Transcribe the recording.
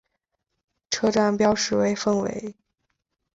车站标识为凤尾。